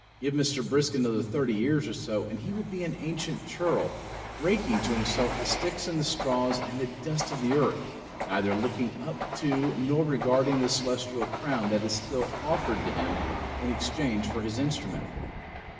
Give Mr. Brisk another thirty years or so and he will be an ancient churl, raking to himself the sticks and the straws and the dust of the earth, neither looking up to nor regarding the celestial crown that is still offered to him in exchange for his instrument.